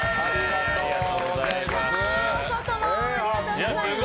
外もありがとうございます！